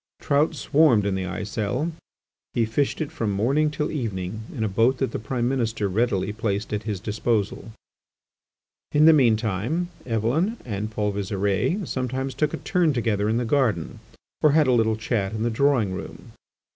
Trout swarmed in the Aiselle; he fished it from morning till evening in a boat that the Prime Minister readily placed at is disposal. In the mean time, Eveline and Paul Visire sometimes took a turn together in the garden, or had a little chat in the drawing room.